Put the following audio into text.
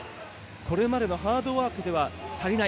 これまでのハードワークでは足りない。